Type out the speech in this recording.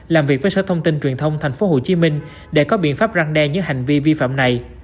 làm việc với sở thông tin truyền thông thành phố hồ chí minh để có biện pháp răng đen những hành vi vi phạm này